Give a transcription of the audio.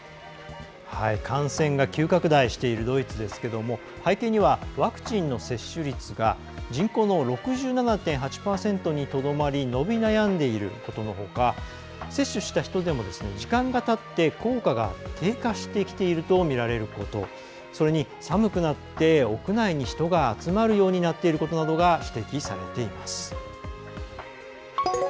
感染が急拡大しているドイツですけども背景にはワクチンの接種率が人口の６７．８％にとどまり伸び悩んでいることのほか接種した人でも時間がたって効果が低下してきているとみられることそれに、寒くなって屋内に人が集まるようになっていることなどが指摘されています。